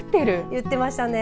言ってましたね。